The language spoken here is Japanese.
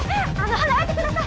離れてください！